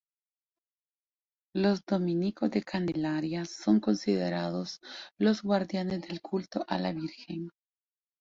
Los Dominicos de Candelaria son considerados los guardianes del culto a la Virgen.